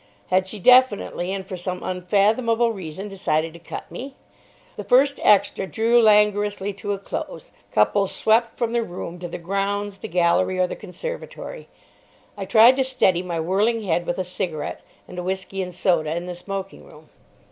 Had she definitely and for some unfathomable reason decided to cut me? The first extra drew languorously to a close, couples swept from the room to the grounds, the gallery or the conservatory. I tried to steady my whirling head with a cigarette and a whisky and soda in the smoking room.